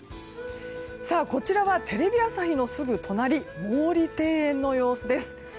こちらはテレビ朝日のすぐ隣毛利庭園の様子です。